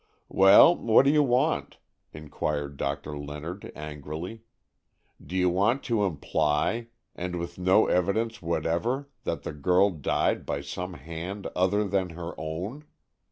"Well, what do you want?" inquired Doctor Leonard angrily. "Do you want to imply, and with no evidence whatever, that the girl died by some hand other than her own?